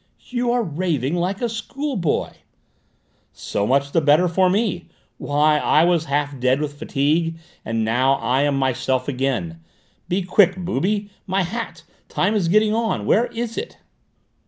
"You are raving like a schoolboy." "So much the better for me! Why, I was half dead with fatigue, and now I am myself again. Be quick, booby! My hat! Time is getting on. Where is it?"